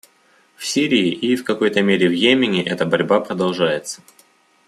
В Сирии и, в какой-то мере, в Йемене эта борьба продолжается.